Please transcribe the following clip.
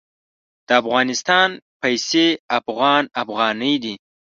د افغانستان پیسې افغان افغاني دي.